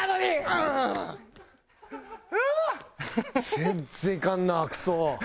全然いかんなクソ。